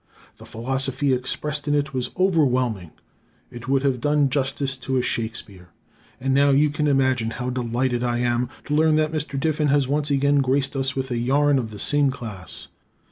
The philosophy expressed in it was overwhelming. It would have done justice to a Shakespeare. And now, you can imagine how delighted I am to learn that Mr. Diffin has once again graced us with a yarn of the same class.